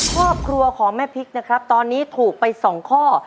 ครอบครัวของแม่พริกนะครับตอนนี้ถูกไป๒ข้อ